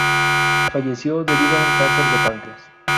Falleció, debido a un cáncer de páncreas.